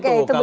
oke itu belum